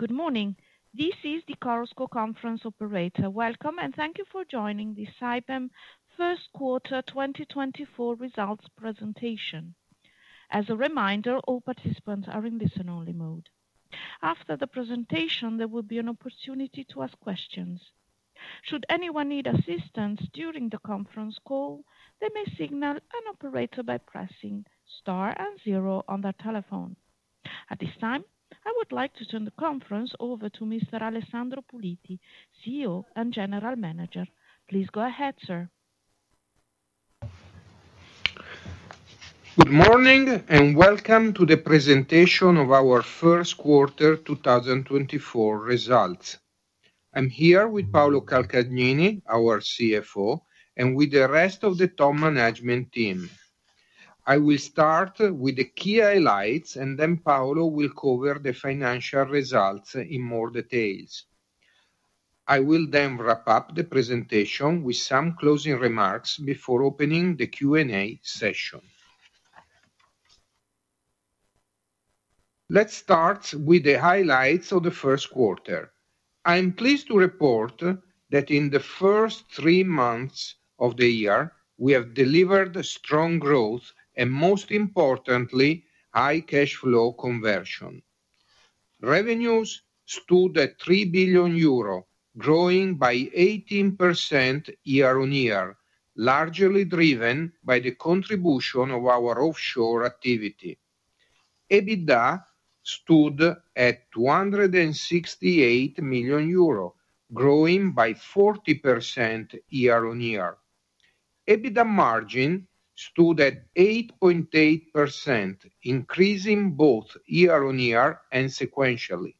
Good morning. This is the Chorus Call Conference operator. Welcome, and thank you for joining the Saipem first quarter 2024 results presentation. As a reminder, all participants are in listen-only mode. After the presentation, there will be an opportunity to ask questions. Should anyone need assistance during the conference call, they may signal an operator by pressing star and zero on their telephone. At this time, I would like to turn the conference over to Mr. Alessandro Puliti, CEO and General Manager. Please go ahead, sir. Good morning and welcome to the presentation of our first quarter 2024 results. I'm here with Paolo Calcagnini, our CFO, and with the rest of the top management team. I will start with the key highlights, and then Paolo will cover the financial results in more details. I will then wrap up the presentation with some closing remarks before opening the Q&A session. Let's start with the highlights of the first quarter. I'm pleased to report that in the first three months of the year, we have delivered strong growth and, most importantly, high cash flow conversion. Revenues stood at 3 billion euro, growing by 18% year-on-year, largely driven by the contribution of our offshore activity. EBITDA stood at 268 million euro, growing by 40% year-on-year. EBITDA margin stood at 8.8%, increasing both year-on-year and sequentially.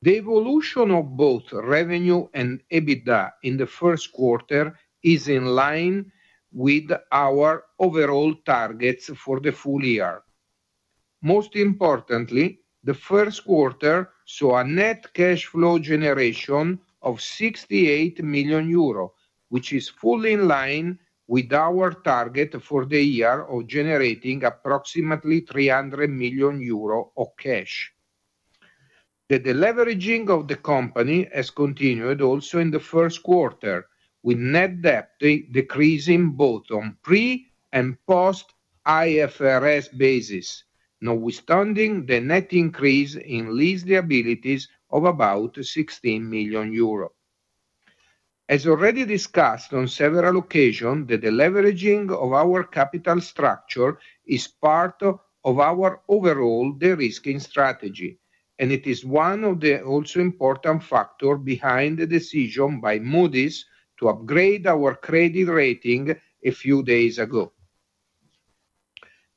The evolution of both revenue and EBITDA in the first quarter is in line with our overall targets for the full year. Most importantly, the first quarter saw a net cash flow generation of 68 million euro, which is fully in line with our target for the year of generating approximately 300 million euro of cash. The deleveraging of the company has continued also in the first quarter, with net debt decreasing both on pre- and post-IFRS basis, notwithstanding the net increase in lease liabilities of about 16 million euro. As already discussed on several occasions, the deleveraging of our capital structure is part of our overall de-risking strategy, and it is one of the also important factors behind the decision by Moody's to upgrade our credit rating a few days ago.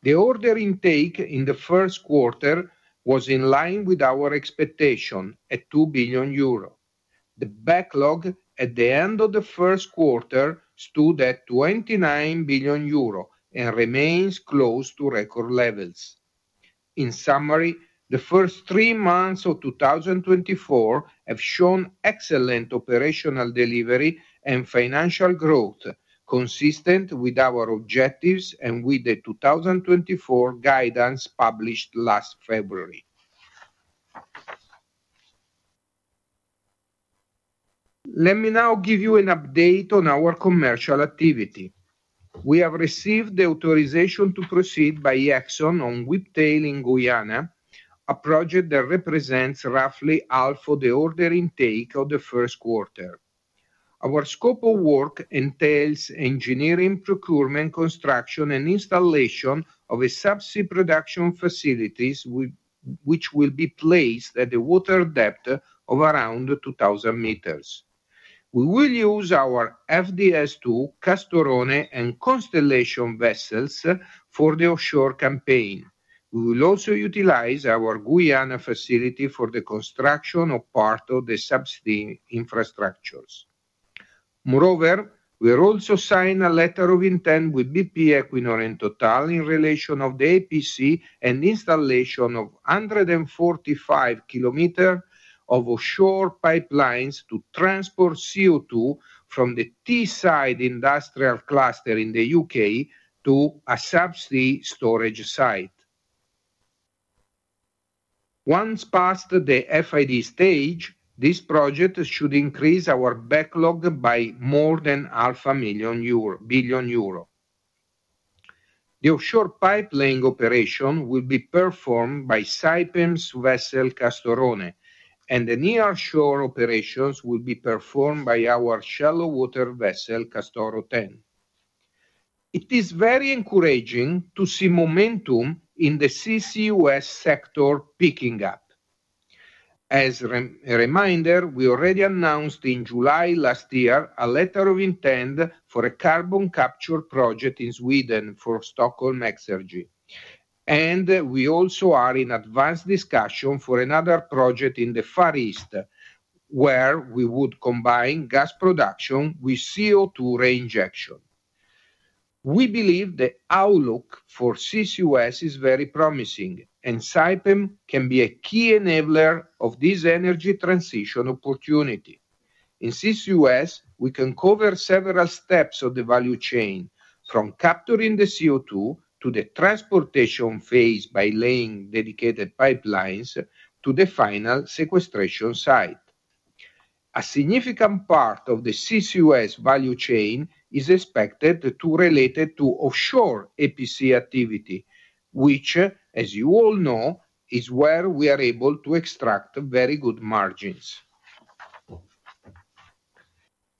The order intake in the first quarter was in line with our expectation at 2 billion euro. The backlog at the end of the first quarter stood at 29 billion euro and remains close to record levels. In summary, the first three months of 2024 have shown excellent operational delivery and financial growth, consistent with our objectives and with the 2024 guidance published last February. Let me now give you an update on our commercial activity. We have received the authorization to proceed by Exxon on Whiptail in Guyana, a project that represents roughly half of the order intake of the first quarter. Our scope of work entails engineering, procurement, construction, and installation of a subsea production facility, which will be placed at a water depth of around 2,000 meters. We will use our FDS2 Castorone and Constellation vessels for the offshore campaign. We will also utilize our Guyana facility for the construction of part of the subsea infrastructures. Moreover, we have also signed a letter of intent with BP, Equinor, and Total in relation to the EPC and installation of 145 km of offshore pipelines to transport CO2 from the East Coast Cluster in the UK to a subsea storage site. Once past the FID stage, this project should increase our backlog by more than 0.5 billion euro. The offshore pipeline operation will be performed by Saipem's vessel Castorone, and the nearshore operations will be performed by our shallow-water vessel Castoro 10. It is very encouraging to see momentum in the CCUS sector picking up. As a reminder, we already announced in July last year a letter of intent for a carbon capture project in Sweden for Stockholm Exergi, and we also are in advanced discussion for another project in the Far East where we would combine gas production with CO2 reinjection. We believe the outlook for CCUS is very promising, and Saipem can be a key enabler of this energy transition opportunity. In CCUS, we can cover several steps of the value chain, from capturing the CO2 to the transportation phase by laying dedicated pipelines to the final sequestration site. A significant part of the CCUS value chain is expected to be related to offshore EPC activity, which, as you all know, is where we are able to extract very good margins.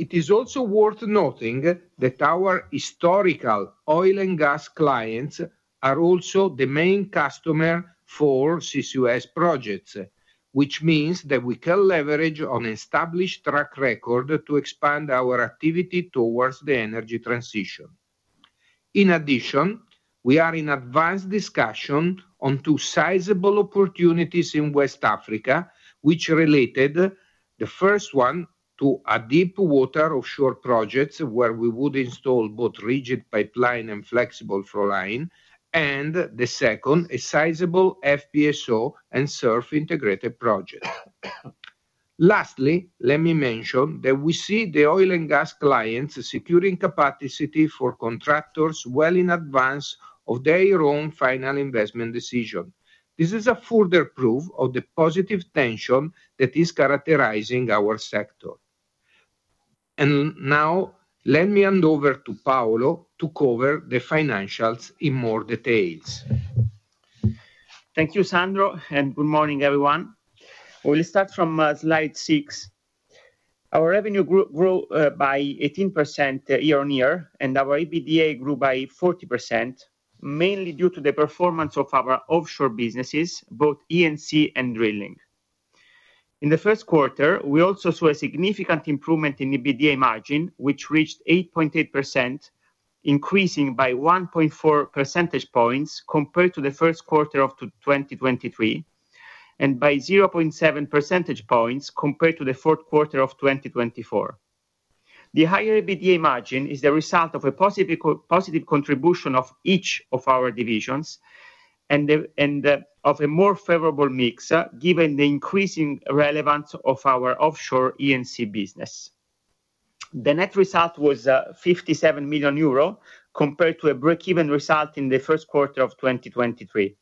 It is also worth noting that our historical oil and gas clients are also the main customer for CCUS projects, which means that we can leverage an established track record to expand our activity towards the energy transition. In addition, we are in advanced discussion on two sizable opportunities in West Africa, which relate to: the first one to a deep-water offshore project where we would install both rigid pipeline and flexible flowline, and the second, a sizable FPSO and SURF-integrated project. Lastly, let me mention that we see the oil and gas clients securing capacity for contractors well in advance of their own final investment decision. This is further proof of the positive tension that is characterizing our sector. And now let me hand over to Paolo to cover the financials in more details. Thank you, Sandro, and good morning, everyone. We will start from slide six. Our revenue grew by 18% year-on-year, and our EBITDA grew by 40%, mainly due to the performance of our offshore businesses, both E&C and drilling. In the first quarter, we also saw a significant improvement in EBITDA margin, which reached 8.8%, increasing by 1.4 percentage points compared to the first quarter of 2023, and by 0.7 percentage points compared to the fourth quarter of 2024. The higher EBITDA margin is the result of a positive contribution of each of our divisions and of a more favorable mix given the increasing relevance of our offshore E&C business. The net result was 57 million euro compared to a break-even result in the first quarter of 2023.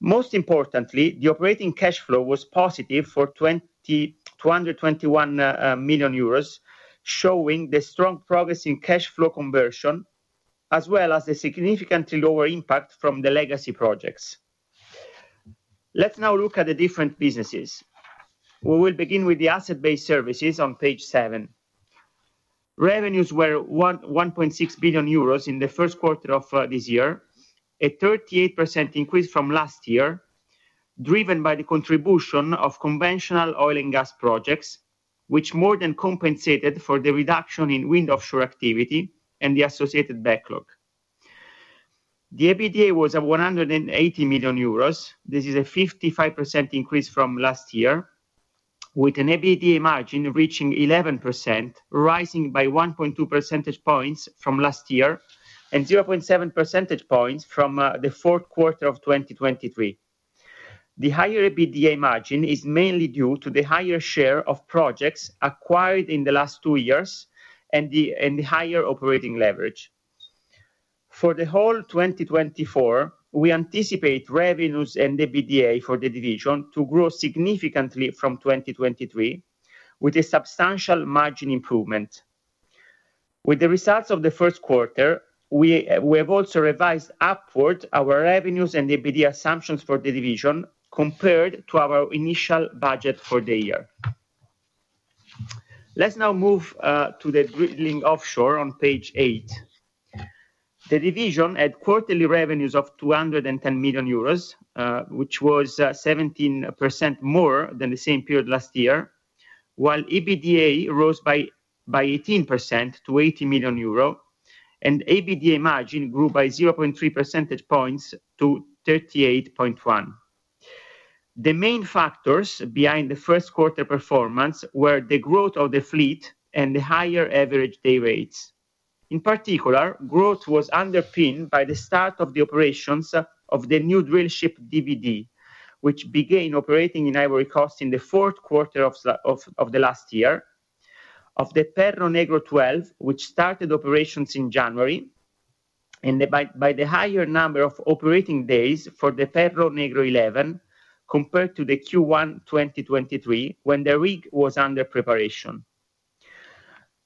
Most importantly, the operating cash flow was positive for 221 million euros, showing the strong progress in cash flow conversion as well as the significantly lower impact from the legacy projects. Let's now look at the different businesses. We will begin with the asset-based services on page seven. Revenues were 1.6 billion euros in the first quarter of this year, a 38% increase from last year, driven by the contribution of conventional oil and gas projects, which more than compensated for the reduction in wind offshore activity and the associated backlog. The EBITDA was 180 million euros. This is a 55% increase from last year, with an EBITDA margin reaching 11%, rising by 1.2 percentage points from last year and 0.7 percentage points from the fourth quarter of 2023. The higher EBITDA margin is mainly due to the higher share of projects acquired in the last two years and the higher operating leverage. For the whole 2024, we anticipate revenues and EBITDA for the division to grow significantly from 2023, with a substantial margin improvement. With the results of the first quarter, we have also revised upward our revenues and EBITDA assumptions for the division compared to our initial budget for the year. Let's now move to the drilling offshore on page eight. The division had quarterly revenues of 210 million euros, which was 17% more than the same period last year, while EBITDA rose by 18% to 80 million euro, and EBITDA margin grew by 0.3 percentage points to 38.1%. The main factors behind the first quarter performance were the growth of the fleet and the higher average day rates. In particular, growth was underpinned by the start of the operations of the new drillship DVD, which began operating in Ivory Coast in the fourth quarter of the last year, of the Perro Negro 12, which started operations in January, and by the higher number of operating days for the Perro Negro 11 compared to the Q1 2023 when the rig was under preparation.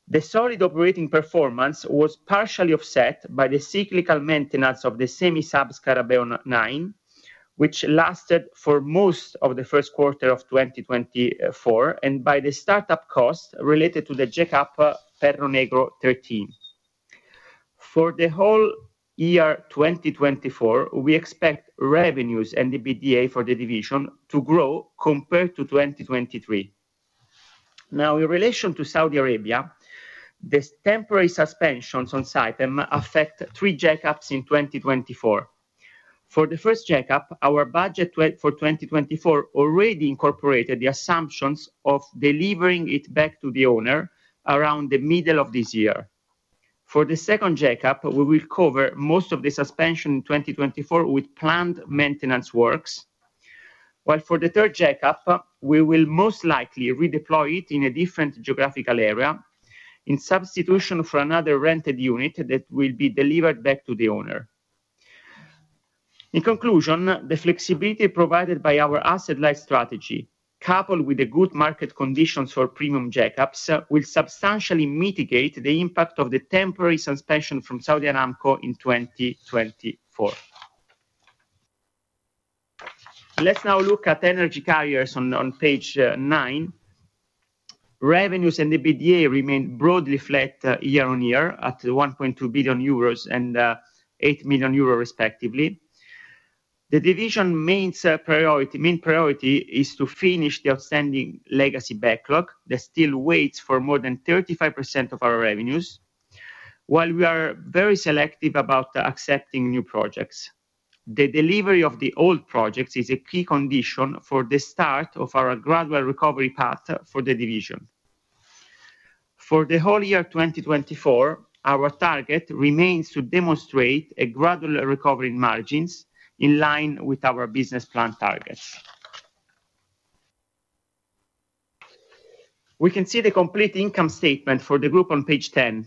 The solid operating performance was partially offset by the cyclical maintenance of the semi-sub Scarabeo 9, which lasted for most of the first quarter of 2024, and by the startup cost related to the jackup Perro Negro 13. For the whole year 2024, we expect revenues and EBITDA for the division to grow compared to 2023. Now, in relation to Saudi Arabia, the temporary suspensions on Saipem affect three jackups in 2024. For the first jackup, our budget for 2024 already incorporated the assumptions of delivering it back to the owner around the middle of this year. For the second jackup, we will cover most of the suspension in 2024 with planned maintenance works, while for the third jackup, we will most likely redeploy it in a different geographical area in substitution for another rented unit that will be delivered back to the owner. In conclusion, the flexibility provided by our asset-like strategy, coupled with the good market conditions for premium jackups, will substantially mitigate the impact of the temporary suspension from Saudi Aramco in 2024. Let's now look at energy carriers on page nine. Revenues and EBITDA remain broadly flat year-on-year at 1.2 billion euros and 8 million euros, respectively. The division's main priority is to finish the outstanding legacy backlog that still weighs for more than 35% of our revenues, while we are very selective about accepting new projects. The delivery of the old projects is a key condition for the start of our gradual recovery path for the division. For the whole year 2024, our target remains to demonstrate a gradual recovery in margins in line with our business plan targets. We can see the complete income statement for the group on page 10,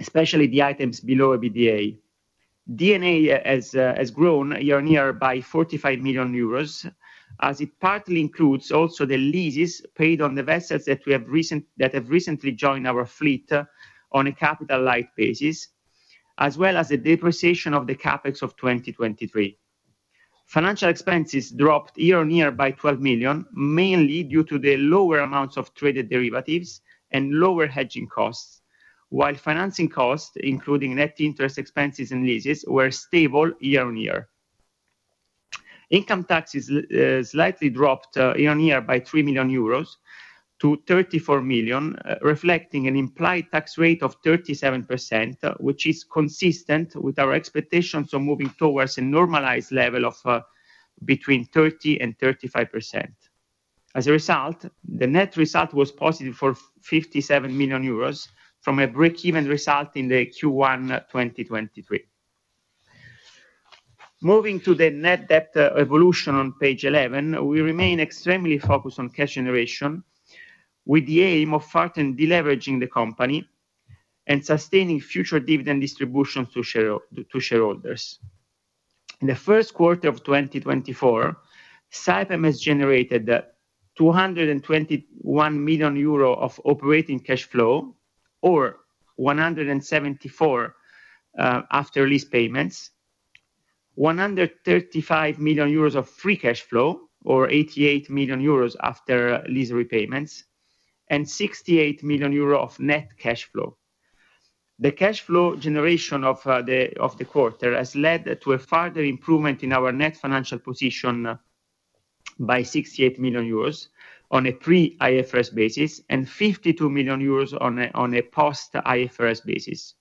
especially the items below EBITDA. D&A has grown year-over-year by 45 million euros as it partly includes also the leases paid on the vessels that have recently joined our fleet on a capital-light basis, as well as the depreciation of the CapEx of 2023. Financial expenses dropped year-over-year by 12 million, mainly due to the lower amounts of traded derivatives and lower hedging costs, while financing costs, including net interest expenses and leases, were stable year-over-year. Income taxes slightly dropped year-over-year by 3 million euros to 34 million, reflecting an implied tax rate of 37%, which is consistent with our expectations of moving towards a normalized level of between 30% and 35%. As a result, the net result was positive for 57 million euros from a break-even result in the Q1 2023. Moving to the net debt evolution on page 11, we remain extremely focused on cash generation with the aim of further deleveraging the company and sustaining future dividend distributions to shareholders. In the first quarter of 2024, Saipem has generated 221 million euro of operating cash flow, or 174 million after lease payments, 135 million euros of free cash flow, or 88 million euros after lease repayments, and 68 million euro of net cash flow. The cash flow generation of the quarter has led to a further improvement in our net financial position by 68 million euros on a pre-IFRS basis and 52 million euros on a post-IFRS basis.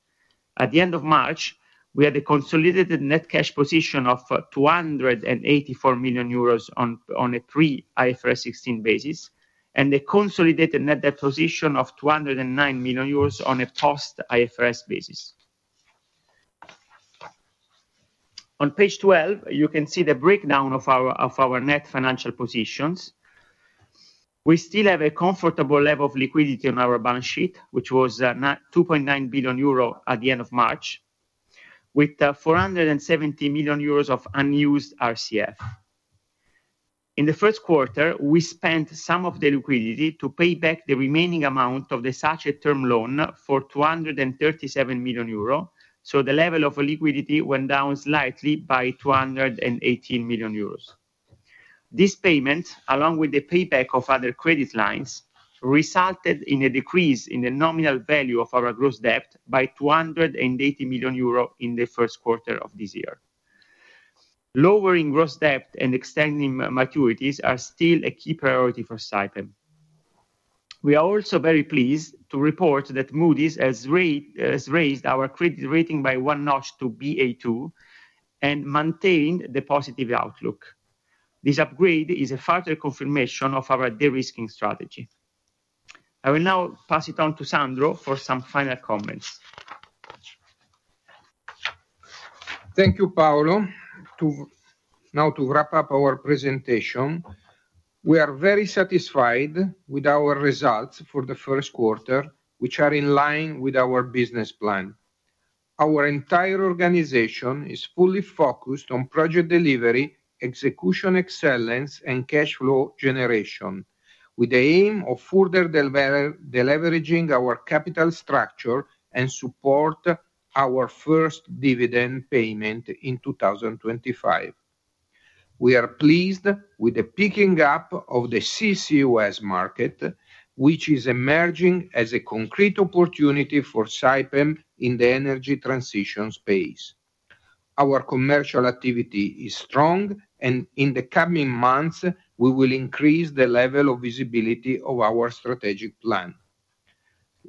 At the end of March, we had a consolidated net cash position of 284 million euros on a pre-IFRS 16 basis and a consolidated net debt position of 209 million euros on a post-IFRS basis. On page 12, you can see the breakdown of our net financial positions. We still have a comfortable level of liquidity on our balance sheet, which was 2.9 billion euro at the end of March, with 470 million euros of unused RCF. In the first quarter, we spent some of the liquidity to pay back the remaining amount of the SACE term loan for 237 million euro. So the level of liquidity went down slightly by 218 million euros. This payment, along with the payback of other credit lines, resulted in a decrease in the nominal value of our gross debt by 280 million euro in the first quarter of this year. Lowering gross debt and extending maturities are still a key priority for Saipem. We are also very pleased to report that Moody's has raised our credit rating by one notch to Ba2 and maintained the positive outlook. This upgrade is a further confirmation of our de-risking strategy. I will now pass it on to Sandro for some final comments. Thank you, Paolo. Now to wrap up our presentation. We are very satisfied with our results for the first quarter, which are in line with our business plan. Our entire organization is fully focused on project delivery, execution excellence, and cash flow generation with the aim of further deleveraging our capital structure and support our first dividend payment in 2025. We are pleased with the picking up of the CCUS market, which is emerging as a concrete opportunity for Saipem in the energy transition space. Our commercial activity is strong, and in the coming months, we will increase the level of visibility of our strategic plan.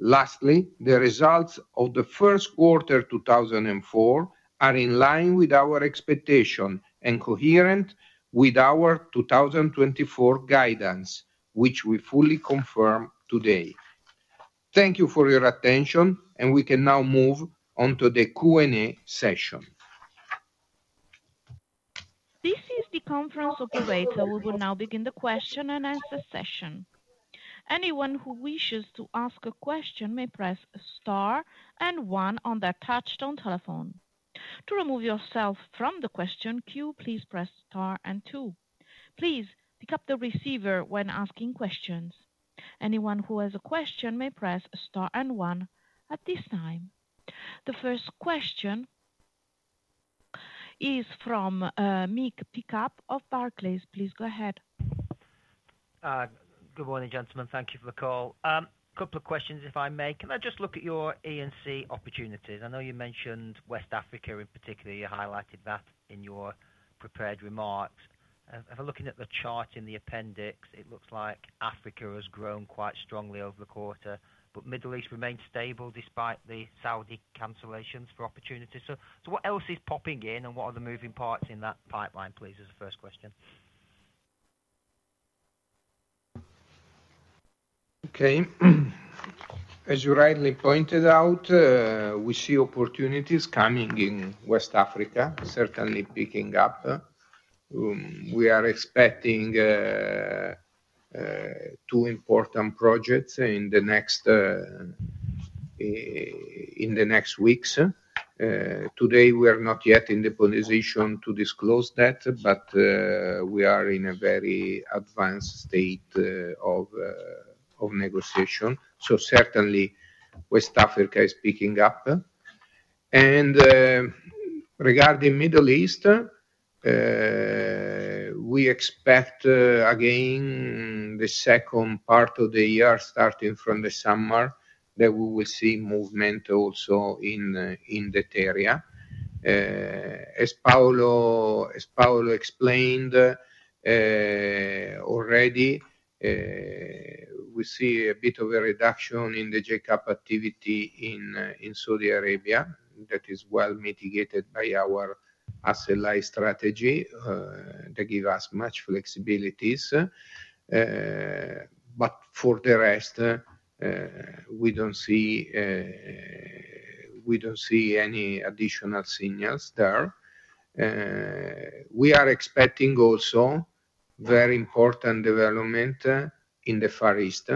Lastly, the results of the first quarter 2024 are in line with our expectation and coherent with our 2024 guidance, which we fully confirm today. Thank you for your attention, and we can now move onto the Q&A session. This is the conference operator. We will now begin the question and answer session. Anyone who wishes to ask a question may press star and one on their touch-tone telephone. To remove yourself from the question queue, please press star and two. Please pick up the receiver when asking questions. Anyone who has a question may press star and one at this time. The first question is from Mick Pickup of Barclays. Please go ahead. Good morning, gentlemen. Thank you for the call. A couple of questions, if I may. Can I just look at your E&C opportunities? I know you mentioned West Africa in particular. You highlighted that in your prepared remarks. If I'm looking at the chart in the appendix, it looks like Africa has grown quite strongly over the quarter, but the Middle East remains stable despite the Saudi cancellations for opportunity. So what else is popping in, and what are the moving parts in that pipeline, please, as a first question? Okay. As you rightly pointed out, we see opportunities coming in West Africa, certainly picking up. We are expecting two important projects in the next weeks. Today, we are not yet in the position to disclose that, but we are in a very advanced state of negotiation. So certainly, West Africa is picking up. And regarding the Middle East, we expect, again, the second part of the year starting from the summer, that we will see movement also in that area. As Paolo explained already, we see a bit of a reduction in the jackup activity in Saudi Arabia. That is well mitigated by our asset-like strategy that gives us much flexibilities. But for the rest, we don't see any additional signals there. We are expecting also very important development in the Far East.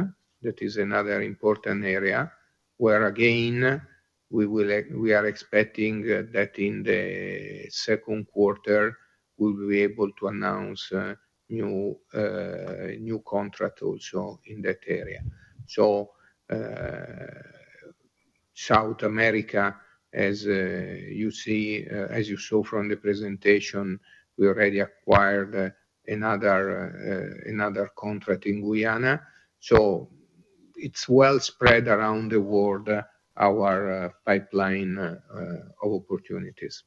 That is another important area where, again, we are expecting that in the second quarter, we will be able to announce new contracts also in that area. So South America, as you saw from the presentation, we already acquired another contract in Guyana. So it's well spread around the world, our pipeline of opportunities.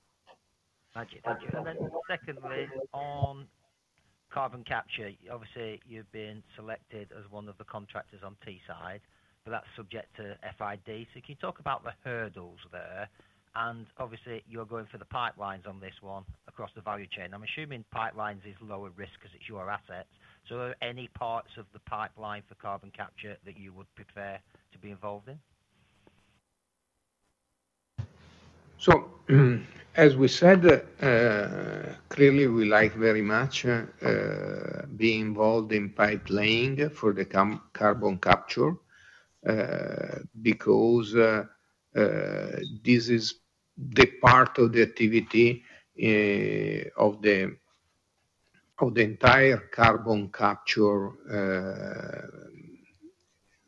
Thank you. Then secondly, on carbon capture, obviously, you've been selected as one of the contractors on Teesside, but that's subject to FID. So can you talk about the hurdles there? And obviously, you're going for the pipelines on this one across the value chain. I'm assuming pipelines is lower risk because it's your assets. So are there any parts of the pipeline for carbon capture that you would prefer to be involved in? So as we said, clearly, we like very much being involved in pipelaying for the carbon capture because this is the part of the activity of the entire carbon capture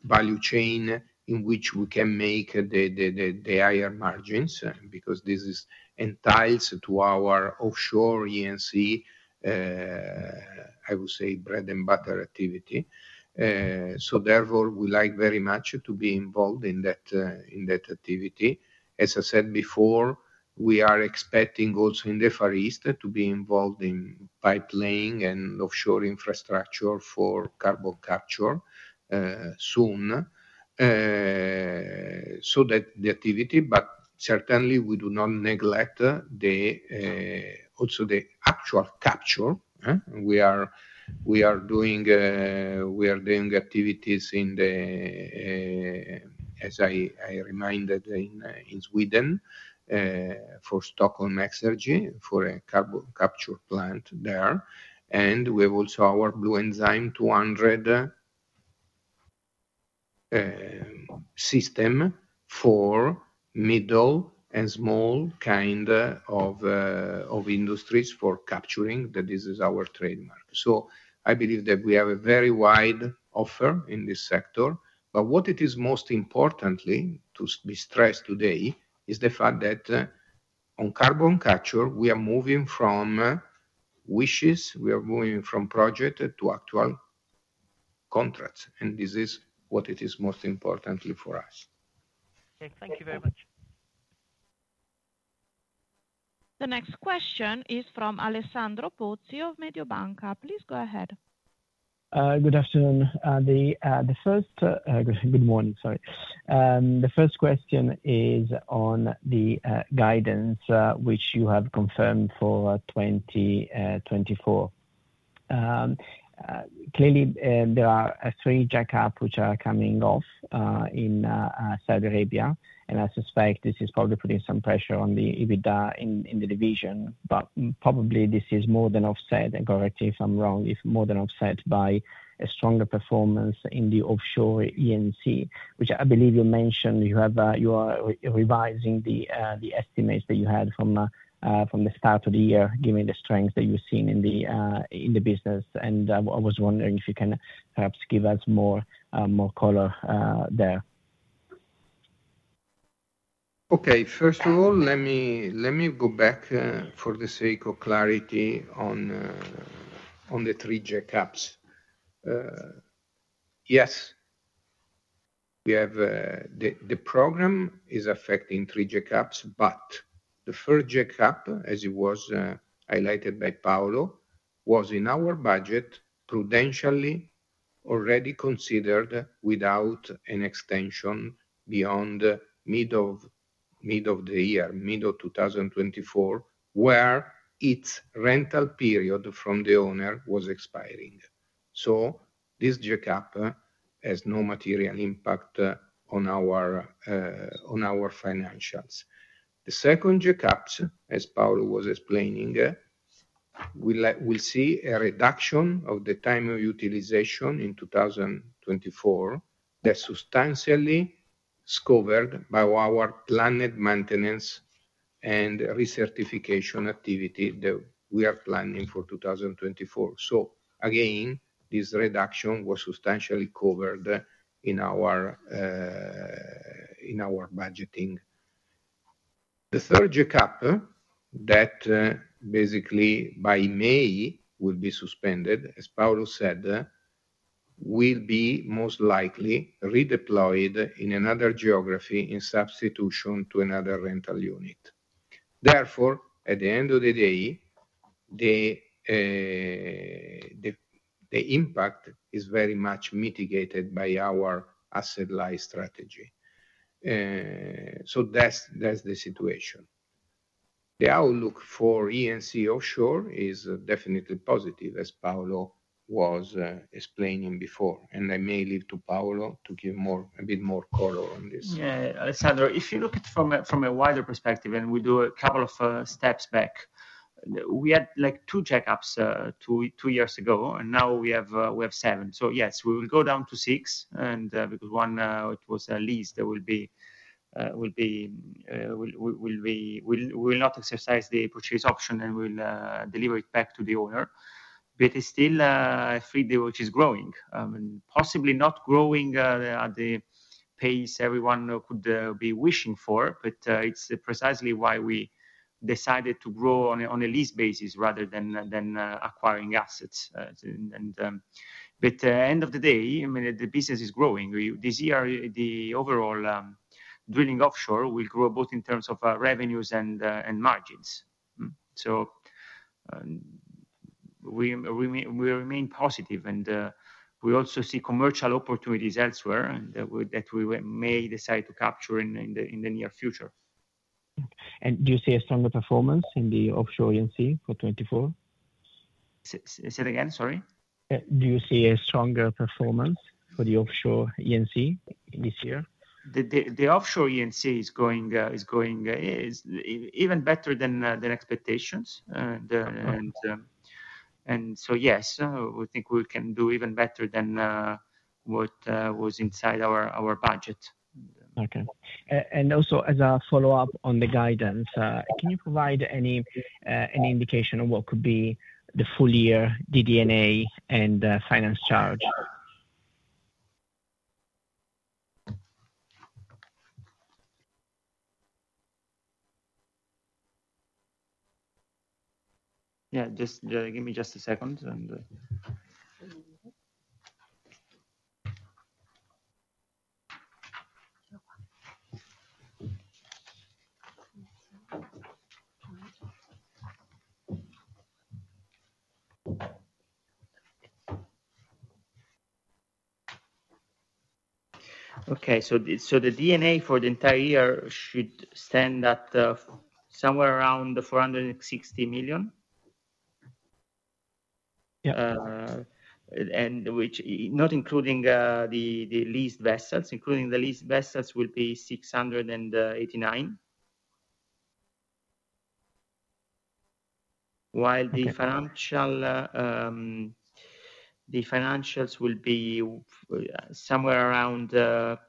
value chain in which we can make the higher margins because this entails our offshore E&C, I would say, bread and butter activity. So therefore, we like very much to be involved in that activity. As I said before, we are expecting also in the Far East to be involved in pipelaying and offshore infrastructure for carbon capture soon so that the activity but certainly, we do not neglect also the actual capture. We are doing activities in the, as I reminded, in Sweden for Stockholm Exergi for a carbon capture plant there. And we have also our Bluenzyme 200 system for middle and small kind of industries for capturing. This is our trademark. So I believe that we have a very wide offer in this sector. But what it is most importantly to be stressed today is the fact that on carbon capture, we are moving from wishes. We are moving from project to actual contracts. And this is what it is most importantly for us. Okay. Thank you very much. The next question is from Alessandro Pozzi of Mediobanca. Please go ahead. Good afternoon. Good morning. Sorry. The first question is on the guidance which you have confirmed for 2024. Clearly, there are three jackups which are coming off in Saudi Arabia. And I suspect this is probably putting some pressure on the EBITDA in the division. But probably, this is more than offset and correct me if I'm wrong if more than offset by a stronger performance in the offshore E&C, which I believe you are revising the estimates that you had from the start of the year given the strength that you've seen in the business. And I was wondering if you can perhaps give us more color there. Okay. First of all, let me go back for the sake of clarity on the three jackups. Yes, the program is affecting three jackups. But the first jackup, as it was highlighted by Paolo, was in our budget prudentially already considered without an extension beyond mid of the year, mid of 2024, where its rental period from the owner was expiring. So this jackup has no material impact on our financials. The second jackup, as Paolo was explaining, we'll see a reduction of the time of utilization in 2024 that's substantially covered by our planned maintenance and recertification activity that we are planning for 2024. So again, this reduction was substantially covered in our budgeting. The third jackup that basically by May will be suspended, as Paolo said, will be most likely redeployed in another geography in substitution to another rental unit. Therefore, at the end of the day, the impact is very much mitigated by our asset-like strategy. So that's the situation. The outlook for E&C offshore is definitely positive, as Paolo was explaining before. And I may leave to Paolo to give a bit more color on this. Yeah. Alessandro, if you look at it from a wider perspective and we do a couple of steps back, we had two jackups two years ago, and now we have seven. So yes, we will go down to six because one, it was a lease that we will not exercise the purchase option and we'll deliver it back to the owner. But it's still a fleet which is growing, possibly not growing at the pace everyone could be wishing for, but it's precisely why we decided to grow on a lease basis rather than acquiring assets. But end of the day, I mean, the business is growing. This year, the overall drilling offshore will grow both in terms of revenues and margins. So we remain positive. And we also see commercial opportunities elsewhere that we may decide to capture in the near future. Do you see a stronger performance in the offshore E&C for 2024? Say that again. Sorry. Do you see a stronger performance for the offshore E&C this year? The offshore E&C is going even better than expectations. And so yes, we think we can do even better than what was inside our budget. Okay. And also, as a follow-up on the guidance, can you provide any indication of what could be the full-year D&A and finance charge? Yeah. Give me just a second. Okay. So, the D&A for the entire year should stand at somewhere around EUR 460 million, not including the leased vessels. Including the leased vessels will be 689 million, while the financials will be somewhere around 200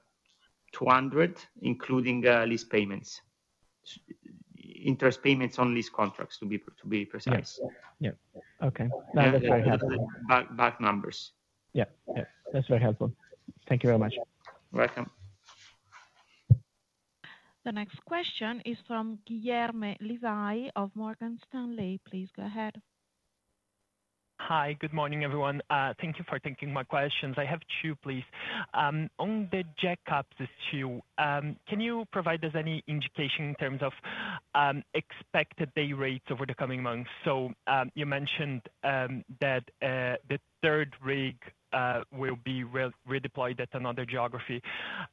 million, including lease payments, interest payments on lease contracts, to be precise. Yeah. Okay. That's very helpful. Back numbers. Yeah. Yeah. That's very helpful. Thank you very much. You're welcome. The next question is from Guilherme Levy of Morgan Stanley. Please go ahead. Hi. Good morning, everyone. Thank you for taking my questions. I have two, please. On the jackups, the two, can you provide us any indication in terms of expected day rates over the coming months? So you mentioned that the third rig will be redeployed at another geography.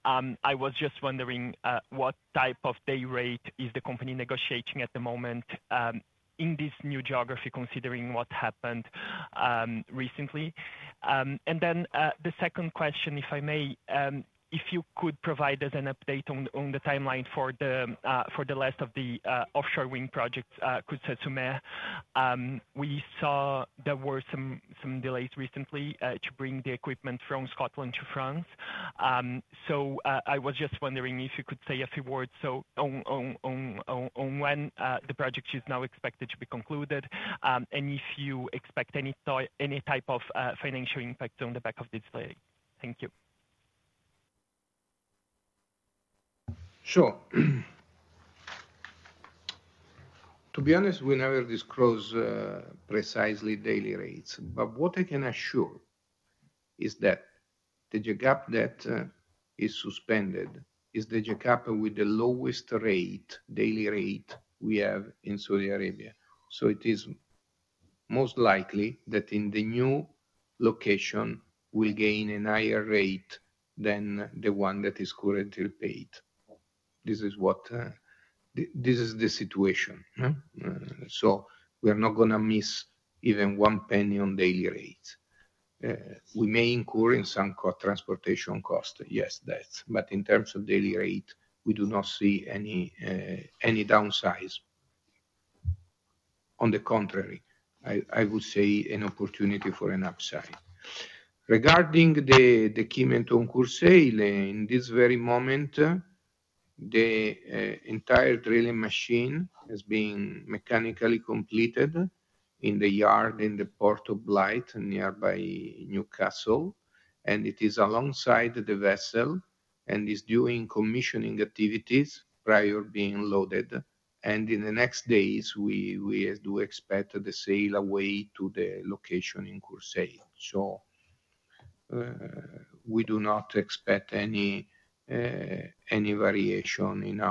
I was just wondering what type of day rate is the company negotiating at the moment in this new geography considering what happened recently? And then the second question, if I may, if you could provide us an update on the timeline for the last of the offshore wind projects, Courseulles-sur-Mer. We saw there were some delays recently to bring the equipment from Scotland to France. I was just wondering if you could say a few words on when the project is now expected to be concluded and if you expect any type of financial impact on the back of this leg? Thank you. Sure. To be honest, we never disclose precisely daily rates. But what I can assure is that the jackup that is suspended is the jackup with the lowest daily rate we have in Saudi Arabia. So it is most likely that in the new location, we'll gain an higher rate than the one that is currently paid. This is the situation. So we are not going to miss even one penny on daily rates. We may incur in some transportation costs. Yes, that's. But in terms of daily rate, we do not see any downside. On the contrary, I would say an opportunity for an upside. Regarding the Courseulles-sur-Mer, in this very moment, the entire drilling machine has been mechanically completed in the yard in the Port of Blyth nearby Newcastle. And it is alongside the vessel and is doing commissioning activities prior to being loaded. In the next days, we do expect the sail away to the location in Courseulles. We do not expect any variation in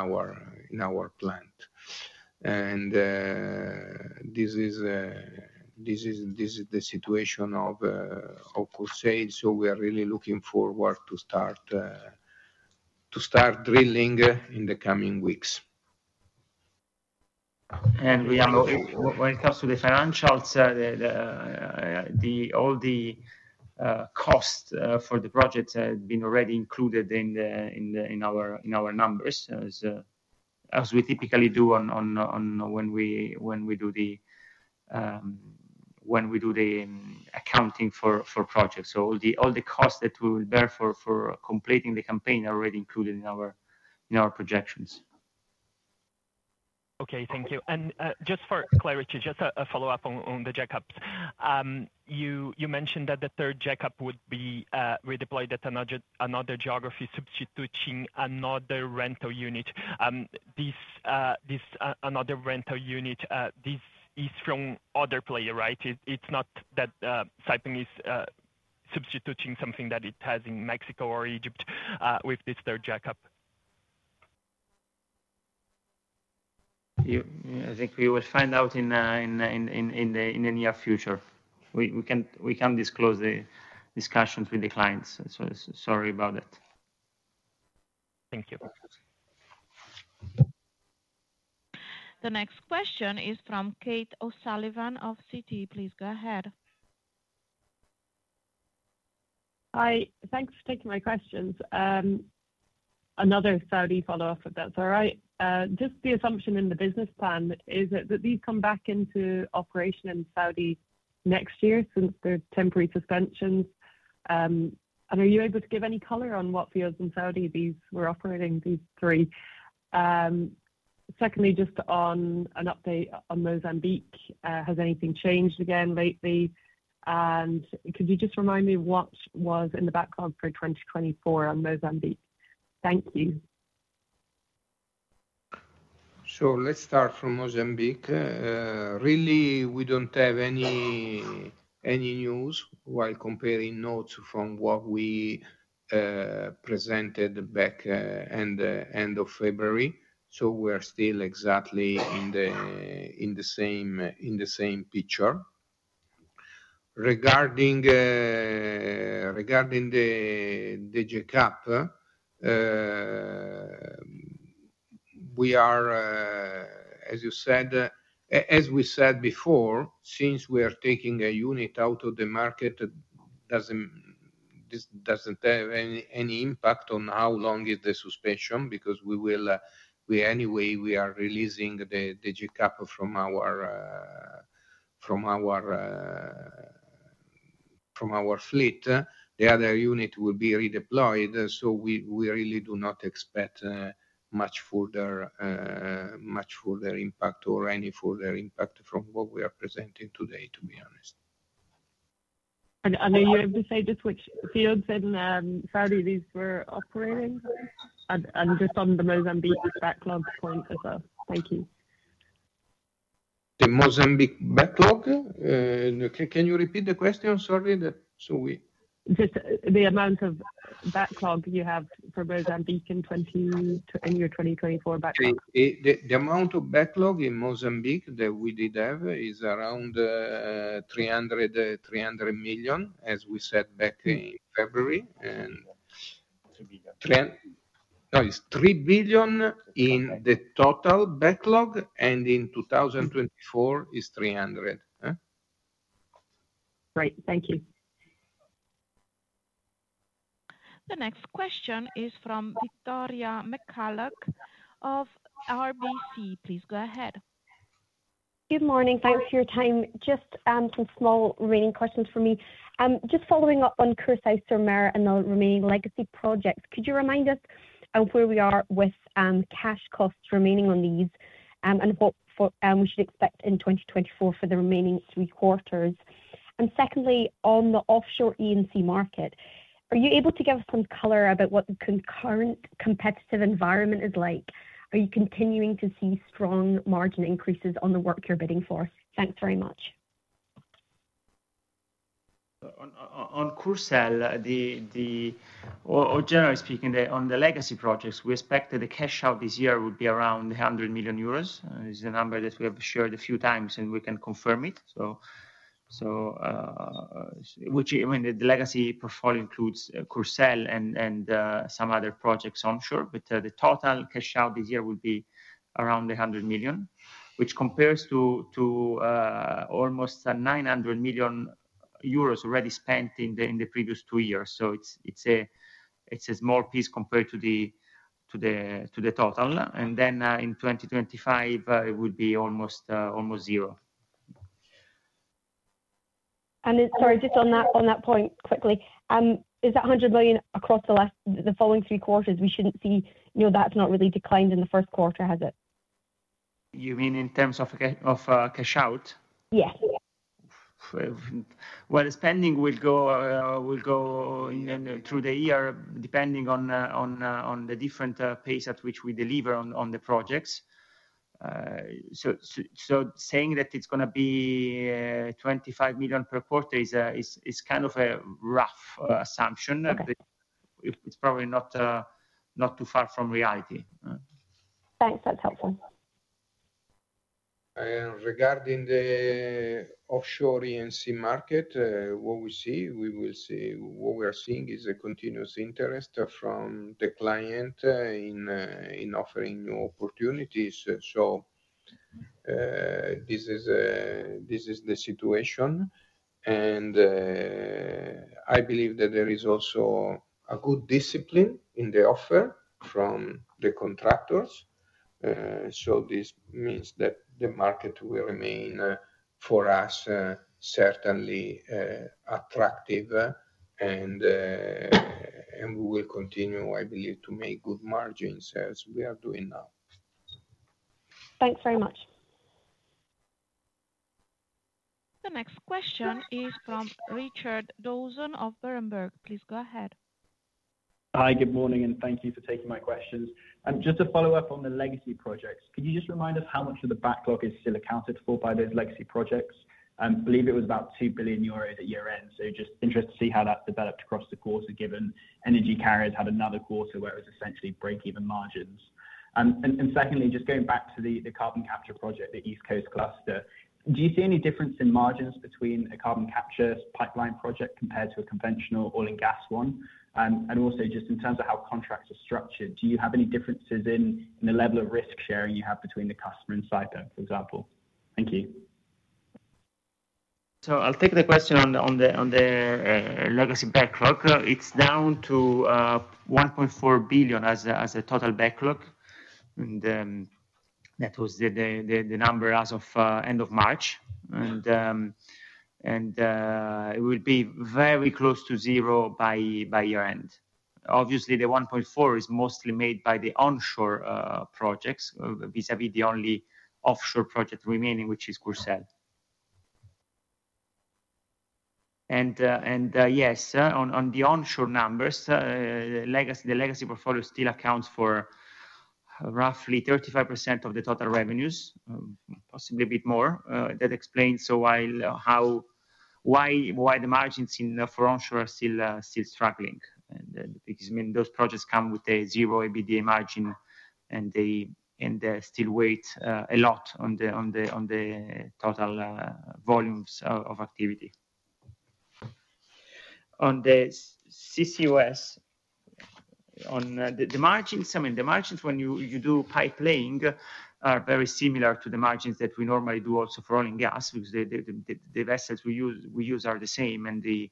our plan. This is the situation of Courseulles. We are really looking forward to start drilling in the coming weeks. Guillherme, when it comes to the financials, all the costs for the project have been already included in our numbers as we typically do when we do the accounting for projects. So all the costs that we will bear for completing the campaign are already included in our projections. Okay. Thank you. And just for clarity, just a follow-up on the jackups. You mentioned that the third jackup would be redeployed at another geography substituting another rental unit. This other rental unit, this is from another player, right? It's not that Saipem is substituting something that it has in Mexico or Egypt with this third jackup. I think we will find out in the near future. We can't disclose the discussions with the clients. So sorry about that. Thank you. The next question is from Kate O'Sullivan of Citi. Please go ahead. Hi. Thanks for taking my questions. Another Saudi follow-up if that's all right. Just the assumption in the business plan is that these come back into operation in Saudi next year since their temporary suspensions. And are you able to give any color on what fields in Saudi these were operating, these three? Secondly, just on an update on Mozambique, has anything changed again lately? And could you just remind me what was in the backlog for 2024 on Mozambique? Thank you. Sure. Let's start from Mozambique. Really, we don't have any news while comparing notes from what we presented back end of February. So we are still exactly in the same picture. Regarding the jackup, as you said as we said before, since we are taking a unit out of the market, this doesn't have any impact on how long is the suspension because anyway, we are releasing the jackup from our fleet. The other unit will be redeployed. So we really do not expect much further impact or any further impact from what we are presenting today, to be honest. Are you able to say just which fields in Saudi these were operating? Just on the Mozambique backlog point as well. Thank you. The Mozambique backlog? Can you repeat the question? Sorry. So we. Just the amount of backlog you have for Mozambique in your 2024 backlog. The amount of backlog in Mozambique that we did have is around 300 million as we said back in February. No, it's 3 billion in the total backlog. In 2024, it's 300 million. Great. Thank you. The next question is from Victoria McCulloch of RBC. Please go ahead. Good morning. Thanks for your time. Just some small remaining questions for me. Just following up on Courseulles-sur-Mer and the remaining legacy projects, could you remind us of where we are with cash costs remaining on these and what we should expect in 2024 for the remaining three quarters? And secondly, on the offshore E&C market, are you able to give us some color about what the current competitive environment is like? Are you continuing to see strong margin increases on the work you're bidding for? Thanks very much. Generally speaking, on the legacy projects, we expected the cash out this year would be around 100 million euros. It's a number that we have shared a few times, and we can confirm it, which I mean, the legacy portfolio includes Courseulles and some other projects onshore. But the total cash out this year will be around 100 million, which compares to almost 900 million euros already spent in the previous two years. So it's a small piece compared to the total. And then in 2025, it would be almost zero. Sorry, just on that point quickly, is that 100 million across the following three quarters we shouldn't see? That's not really declined in the first quarter, has it? You mean in terms of cash out? Yes. Well, spending will go through the year depending on the different pace at which we deliver on the projects. So saying that it's going to be 25 million per quarter is kind of a rough assumption. It's probably not too far from reality. Thanks. That's helpful. Regarding the offshore E&C market, what we see, we will see what we are seeing is a continuous interest from the client in offering new opportunities. This is the situation. I believe that there is also a good discipline in the offer from the contractors. This means that the market will remain for us certainly attractive. We will continue, I believe, to make good margins as we are doing now. Thanks very much. The next question is from Richard Dawson of Berenberg. Please go ahead. Hi. Good morning. And thank you for taking my questions. Just a follow-up on the legacy projects, could you just remind us how much of the backlog is still accounted for by those legacy projects? I believe it was about 2 billion euros at year-end. So just interested to see how that's developed across the quarter given energy carriers had another quarter where it was essentially break-even margins. And secondly, just going back to the carbon capture project, the East Coast Cluster, do you see any difference in margins between a carbon capture pipeline project compared to a conventional oil and gas one? And also, just in terms of how contracts are structured, do you have any differences in the level of risk sharing you have between the customer and Saipem, for example? Thank you. So I'll take the question on the legacy backlog. It's down to 1.4 billion as a total backlog. That was the number as of end of March. It will be very close to zero by year-end. Obviously, the 1.4 is mostly made by the onshore projects vis-à-vis the only offshore project remaining, which is Courseulles. Yes, on the onshore numbers, the legacy portfolio still accounts for roughly 35% of the total revenues, possibly a bit more. That explains why the margins for onshore are still struggling because those projects come with a zero EBITDA margin, and they still weigh a lot on the total volumes of activity. On the CCUS, the margins I mean, the margins when you do pipelaying are very similar to the margins that we normally do also for oil and gas because the vessels we use are the same. The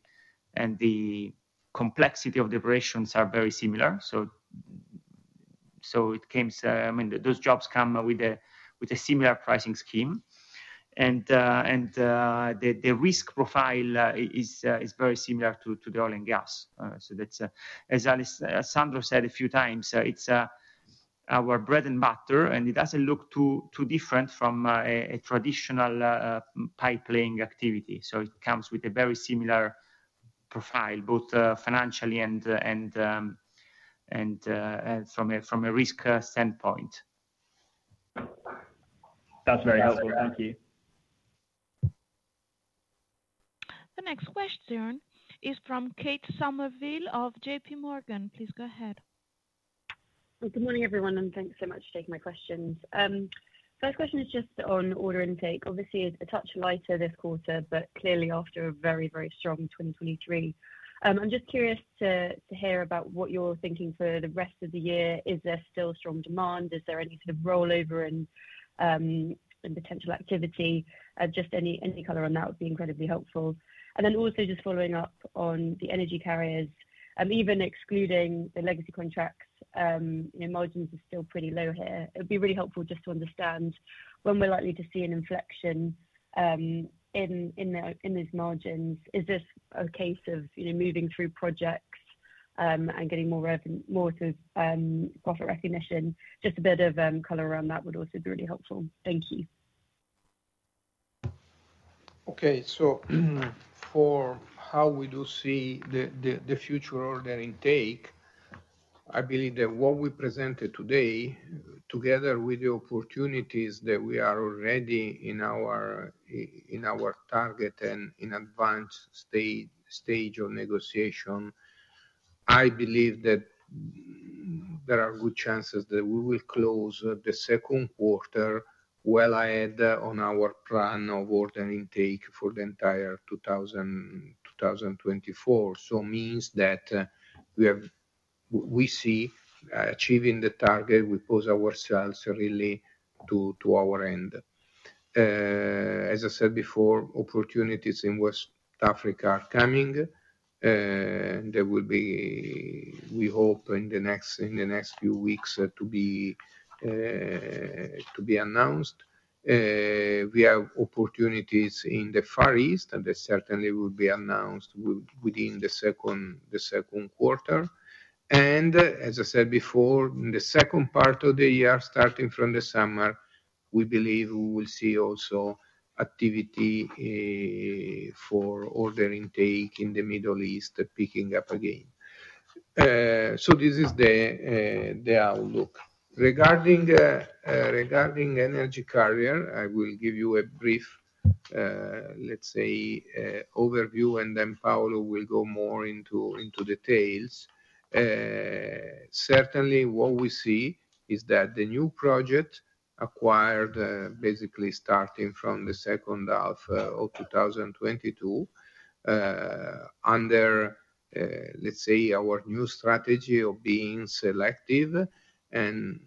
complexity of the operations are very similar. So it comes I mean, those jobs come with a similar pricing scheme. And the risk profile is very similar to the oil and gas. So as Alessandro said a few times, it's our bread and butter. And it doesn't look too different from a traditional pipelaying activity. So it comes with a very similar profile, both financially and from a risk standpoint. That's very helpful. Thank you. The next question, is from Kate Somerville of J.P. Morgan. Please go ahead. Good morning, everyone. Thanks so much for taking my questions. First question is just on order intake. Obviously, it's a touch lighter this quarter, but clearly after a very, very strong 2023. I'm just curious to hear about what you're thinking for the rest of the year. Is there still strong demand? Is there any sort of rollover in potential activity? Just any color on that would be incredibly helpful. And then also just following up on the energy carriers, even excluding the legacy contracts, margins are still pretty low here. It would be really helpful just to understand when we're likely to see an inflection in these margins. Is this a case of moving through projects and getting more sort of profit recognition? Just a bit of color around that would also be really helpful. Thank you. Okay. So for how we do see the future order intake, I believe that what we presented today together with the opportunities that we are already in our target and in advanced stage of negotiation, I believe that there are good chances that we will close the second quarter well ahead on our plan of order intake for the entire 2024. So, means that we see achieving the target, we pose ourselves really to our end. As I said before, opportunities in West Africa are coming. There will be, we hope, in the next few weeks to be announced. We have opportunities in the Far East, and they certainly will be announced within the second quarter. As I said before, in the second part of the year starting from the summer, we believe we will see also activity for order intake in the Middle East picking up again. So this is the outlook. Regarding energy carrier, I will give you a brief, let's say, overview, and then Paolo will go more into details. Certainly, what we see is that the new project acquired basically starting from the second half of 2022 under, let's say, our new strategy of being selective and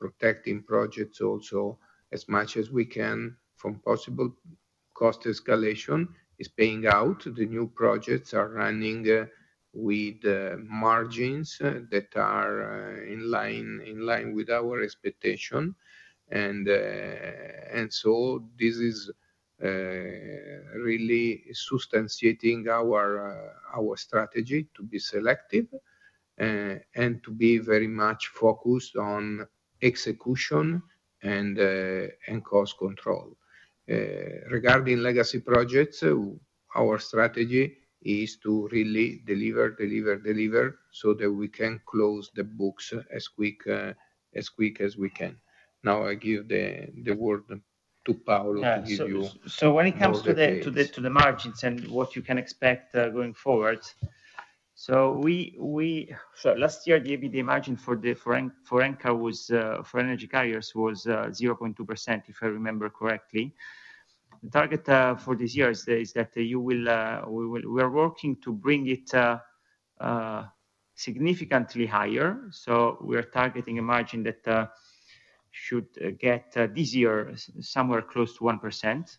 protecting projects also as much as we can from possible cost escalation is paying out. The new projects are running with margins that are in line with our expectation. And so this is really substantiating our strategy to be selective and to be very much focused on execution and cost control. Regarding legacy projects, our strategy is to really deliver, deliver, deliver so that we can close the books as quick as we can. Now, I give the word to Paolo to give you. Yeah. So when it comes to the margins and what you can expect going forward, so last year, the EBITDA margin for E&C for energy carriers was 0.2%, if I remember correctly. The target for this year is that we are working to bring it significantly higher. So we are targeting a margin that should get this year somewhere close to 1%.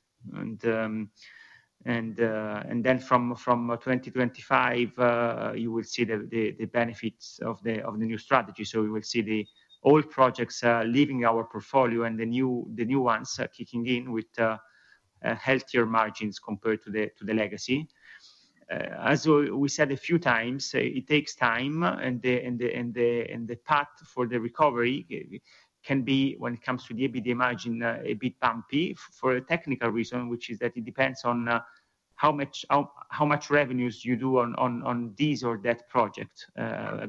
And then from 2025, you will see the benefits of the new strategy. So we will see the old projects leaving our portfolio and the new ones kicking in with healthier margins compared to the legacy. As we said a few times, it takes time. And the path for the recovery can be, when it comes to the EBITDA margin, a bit bumpy for a technical reason, which is that it depends on how much revenues you do on this or that project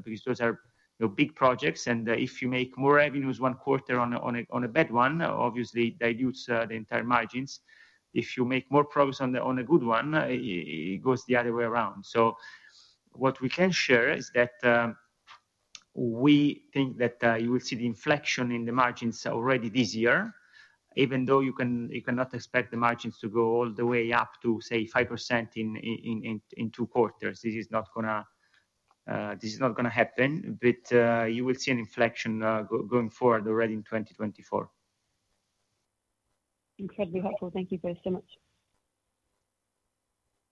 because those are big projects. And if you make more revenues one quarter on a bad one, obviously, that reduces the entire margins. If you make more progress on a good one, it goes the other way around. So what we can share is that we think that you will see the inflection in the margins already this year, even though you cannot expect the margins to go all the way up to, say, 5% in two quarters. This is not going to happen. But you will see an inflection going forward already in 2024. Incredibly helpful. Thank you very much.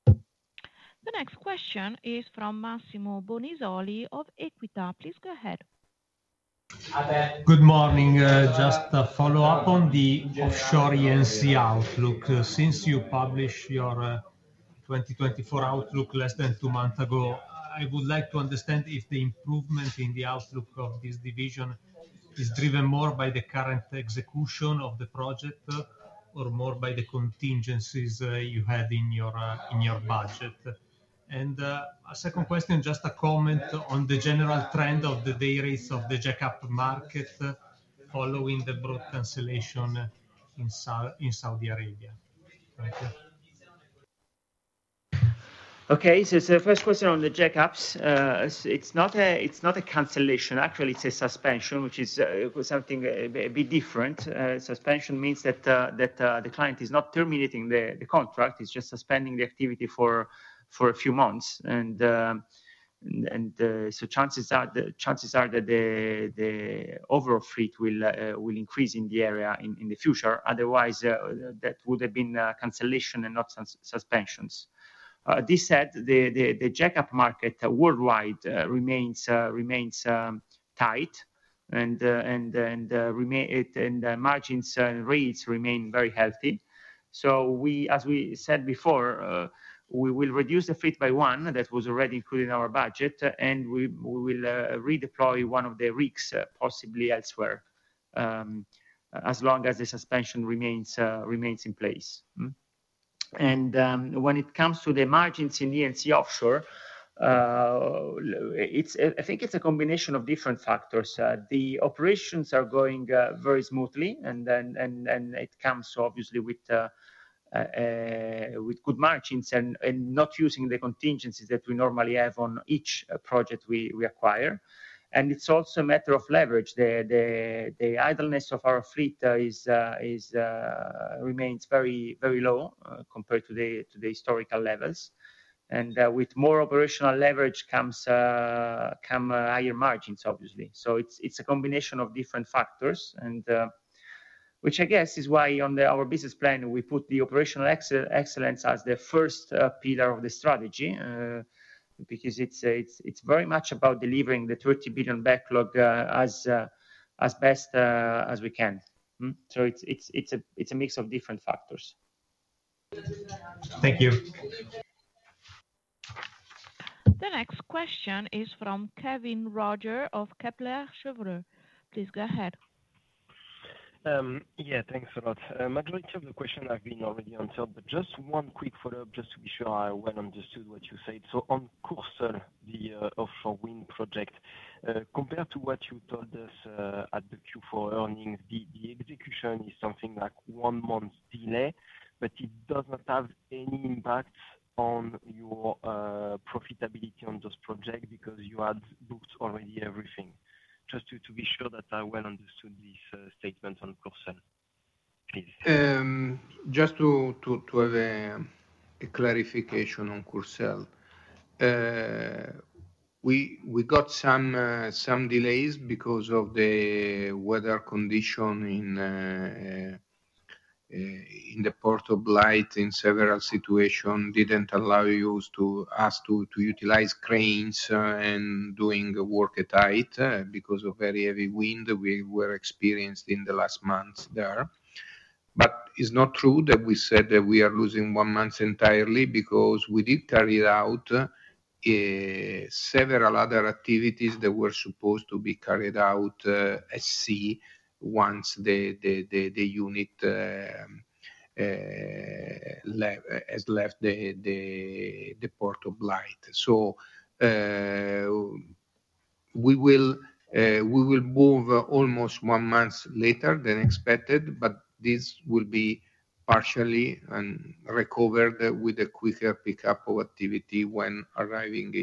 The next question is from Massimo Bonisoli of Equita. Please go ahead. Hi there. Good morning. Just a follow-up on the offshore E&C outlook. Since you published your 2024 outlook less than two months ago, I would like to understand if the improvement in the outlook of this division is driven more by the current execution of the project or more by the contingencies you had in your budget. And a second question, just a comment on the general trend of the day rates of the jackup market following the broad cancellation in Saudi Arabia. Thank you. Okay. So first question on the jackups. It's not a cancellation. Actually, it's a suspension, which is something a bit different. Suspension means that the client is not terminating the contract. It's just suspending the activity for a few months. And so chances are that the overall fleet will increase in the area in the future. Otherwise, that would have been cancellation and not suspensions. This said, the jackup market worldwide remains tight, and margins and rates remain very healthy. So as we said before, we will reduce the fleet by one that was already included in our budget, and we will redeploy one of the rigs possibly elsewhere as long as the suspension remains in place. And when it comes to the margins in E&C offshore, I think it's a combination of different factors. The operations are going very smoothly, and it comes, obviously, with good margins and not using the contingencies that we normally have on each project we acquire. And it's also a matter of leverage. The idleness of our fleet remains very low compared to the historical levels. And with more operational leverage come higher margins, obviously. So it's a combination of different factors, which I guess is why on our business plan, we put the operational excellence as the first pillar of the strategy because it's very much about delivering the 30 billion backlog as best as we can. So it's a mix of different factors. Thank you. The next question is from Kevin Roger of Kepler Cheuvreux. Please go ahead. Yeah. Thanks a lot. Majority of the questions have been already answered. But just one quick follow-up just to be sure I well understood what you said. So on Courseulles-sur-Mer, the offshore wind project, compared to what you told us at the Q4 earnings, the execution is something like one month delay, but it does not have any impact on your profitability on those projects because you had booked already everything. Just to be sure that I well understood this statement on Courseulles-sur-Mer, please. Just to have a clarification on Courseulles, we got some delays because of the weather condition in the port of Blyth. In several situations didn't allow us to utilize cranes and doing work at night because of very heavy wind we were experiencing in the last months there. But it's not true that we said that we are losing one month entirely because we did carry out several other activities that were supposed to be carried out at sea once the unit has left the port of Blyth. So we will move almost one month later than expected, but this will be partially recovered with a quicker pickup of activity when arriving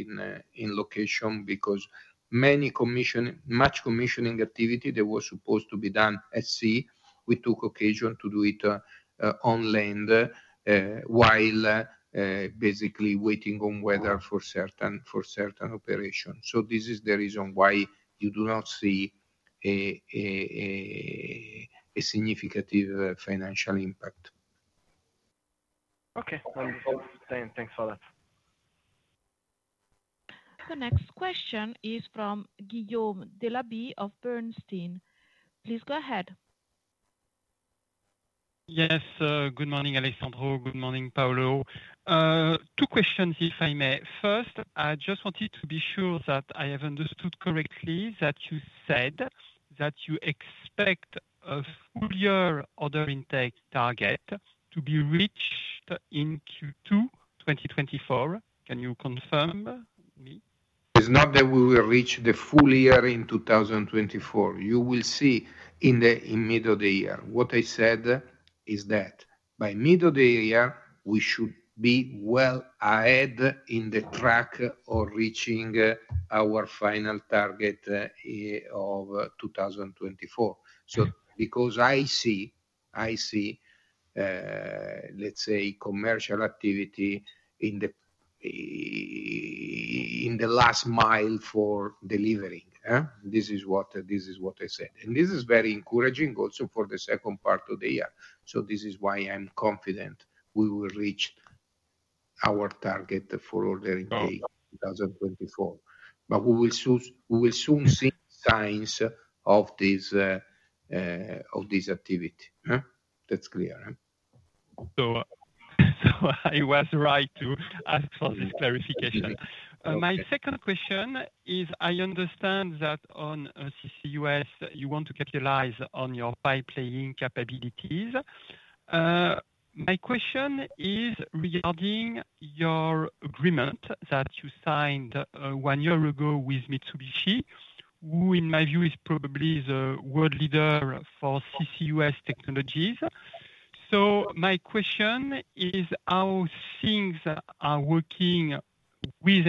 in location because much commissioning activity that was supposed to be done at sea, we took occasion to do it on land while basically waiting on weather for certain operations. This is the reason why you do not see a significant financial impact. Okay. Thanks for that. The next question is from Guillaume Delaby of Bernstein. Please go ahead. Yes. Good morning, Alessandro. Good morning, Paolo. Two questions, if I may. First, I just wanted to be sure that I have understood correctly that you said that you expect a full-year order intake target to be reached in Q2 2024. Can you confirm me? It's not that we will reach the full year in 2024. You will see in the middle of the year. What I said is that by middle of the year, we should be well ahead in the track of reaching our final target of 2024. So because I see, let's say, commercial activity in the last mile for delivering, this is what I said. And this is very encouraging also for the second part of the year. So this is why I'm confident we will reach our target for order intake in 2024. But we will soon see signs of this activity. That's clear. So, I was right to ask for this clarification. My second question is, I understand that on CCUS, you want to capitalize on your pipelaying capabilities. My question is regarding your agreement that you signed one year ago with Mitsubishi, who, in my view, is probably the world leader for CCUS technologies. So, my question is, how things are working with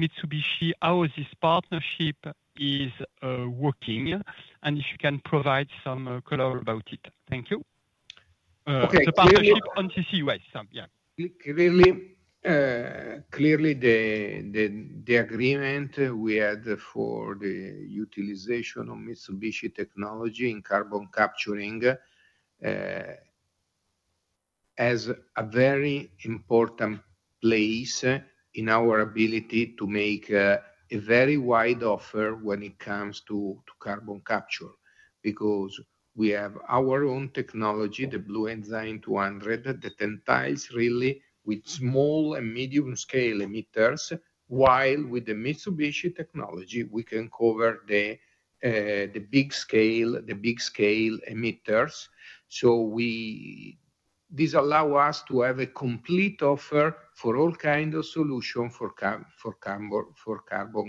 Mitsubishi, how this partnership is working, and if you can provide some color about it. Thank you. The partnership on CCUS, yeah. Clearly, the agreement we had for the utilization of Mitsubishi technology in carbon capturing has a very important place in our ability to make a very wide offer when it comes to carbon capture because we have our own technology, the Bluenzyme 200, the Tantalus, really, with small and medium-scale emitters, while with the Mitsubishi technology, we can cover the big-scale emitters. So this allows us to have a complete offer for all kinds of solutions for carbon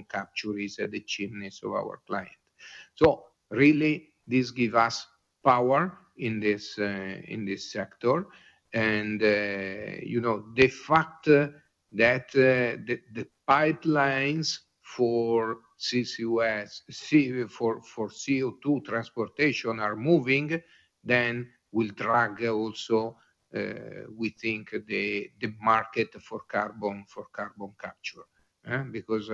capture at the chimneys of our client. So really, this gives us power in this sector. And the fact that the pipelines for CO2 transportation are moving, then will drag also, we think, the market for carbon capture because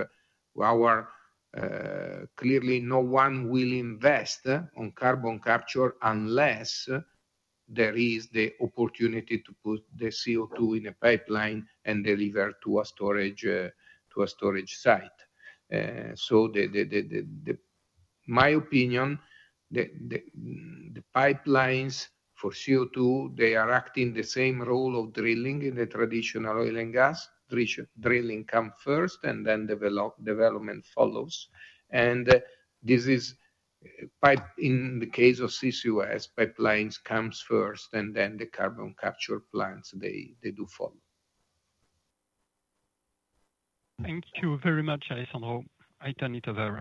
clearly, no one will invest on carbon capture unless there is the opportunity to put the CO2 in a pipeline and deliver to a storage site. In my opinion, the pipelines for CO2, they are acting the same role of drilling in the traditional oil and gas. Drilling comes first, and then development follows. In the case of CCUS, pipelines come first, and then the carbon capture plants, they do follow. Thank you very much, Alessandro. I turn it over.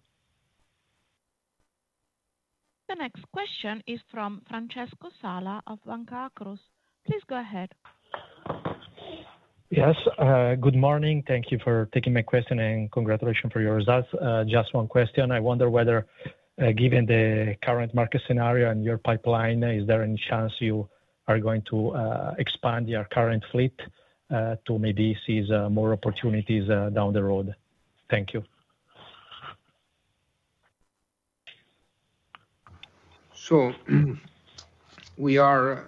The next question is from Francesco Sala of Banca Akros. Please go ahead. Yes. Good morning. Thank you for taking my question, and congratulations for your results. Just one question. I wonder whether, given the current market scenario and your pipeline, is there any chance you are going to expand your current fleet to maybe see more opportunities down the road? Thank you. We are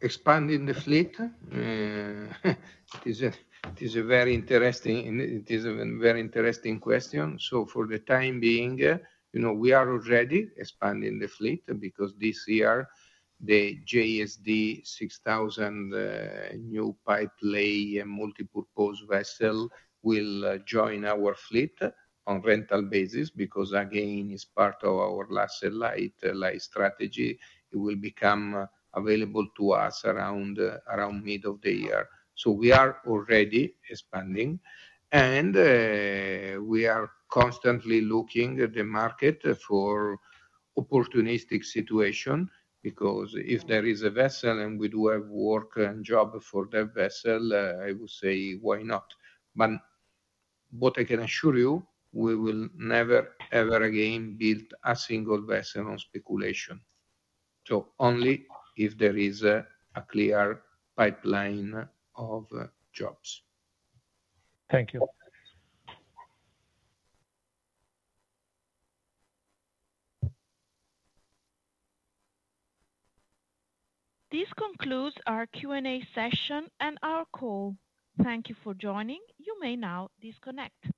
expanding the fleet. It is a very interesting question. For the time being, we are already expanding the fleet because this year, the JSD 6000 new pipeline and multi-purpose vessel will join our fleet on rental basis because, again, it's part of our last-life strategy. It will become available to us around mid of the year. We are already expanding. We are constantly looking at the market for opportunistic situations because if there is a vessel and we do have work and job for that vessel, I would say, why not? But what I can assure you, we will never, ever again build a single vessel on speculation, so only if there is a clear pipeline of jobs. Thank you. This concludes our Q&A session and our call. Thank you for joining. You may now disconnect.